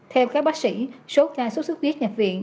theo các bác sĩ số ca sốt xuất huyết nhập viện